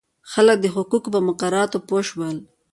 خلک د حقوقو په مقرراتو پوه شول.